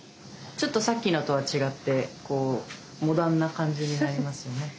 ちょっとさっきのとは違ってこうモダンな感じになりますよね。